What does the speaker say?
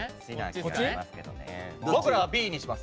僕らはＢにします。